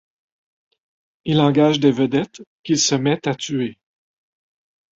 Il engage des vedettes qu'il se met à tuer.